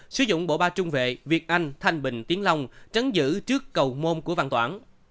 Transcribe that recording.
sử dụng bộ ba trung vệ việt anh thanh bình tiến long trắng giữ trước cầu môn của văn toán